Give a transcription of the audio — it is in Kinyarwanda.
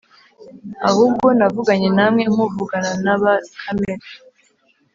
ahubwo navuganye namwe nk'uvugana n’aba kamere,